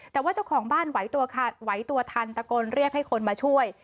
แต่ว่าเจ้าของบ้านไหวตัวทันตะโกนเรียกให้คนมาช่วย